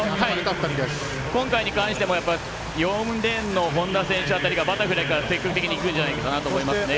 今回に関しても４レーンの本多選手あたりがバタフライから積極的にいくんじゃないかと思いますね。